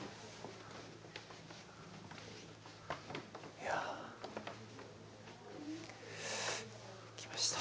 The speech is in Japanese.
いや来ました。